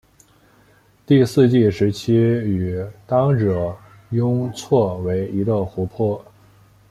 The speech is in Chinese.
第四纪时期与当惹雍错为一个湖泊。